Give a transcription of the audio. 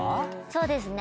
そうですね。